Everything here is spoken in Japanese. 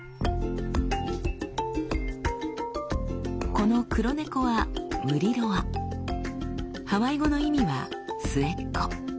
この黒猫はハワイ語の意味は「末っ子」。